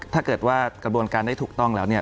ถ้าเกิดว่ากระบวนการได้ถูกต้องแล้วเนี่ย